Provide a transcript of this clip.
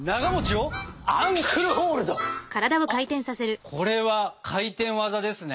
あっこれは回転技ですね。